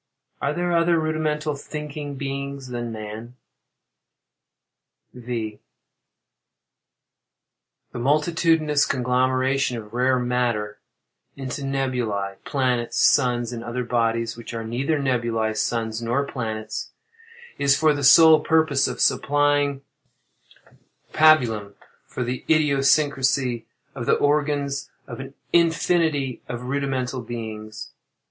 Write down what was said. Are there other rudimental thinking beings than man? V. The multitudinous conglomeration of rare matter into nebulæ, planets, suns, and other bodies which are neither nebulæ, suns, nor planets, is for the sole purpose of supplying pabulum for the idiosyncrasy of the organs of an infinity of rudimental beings.